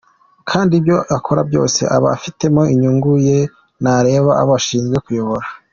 Kandi ibyo akora byose aba abifitemo inyungu ye ntareba abo ashinzwe kuyobora.